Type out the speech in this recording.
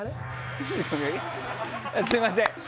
すみません。